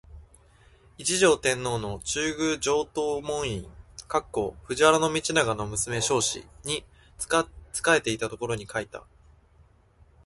一条天皇の中宮上東門院（藤原道長の娘彰子）に仕えていたころに書いた